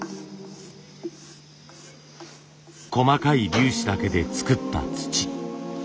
細かい粒子だけで作った土。